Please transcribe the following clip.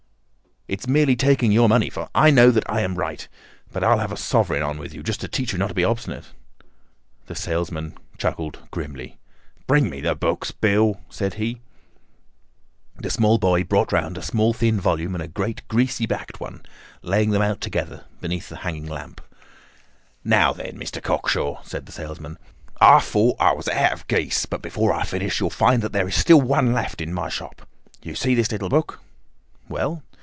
"It's merely taking your money, for I know that I am right. But I'll have a sovereign on with you, just to teach you not to be obstinate." The salesman chuckled grimly. "Bring me the books, Bill," said he. The small boy brought round a small thin volume and a great greasy backed one, laying them out together beneath the hanging lamp. "Now then, Mr. Cocksure," said the salesman, "I thought that I was out of geese, but before I finish you'll find that there is still one left in my shop. You see this little book?" "Well?"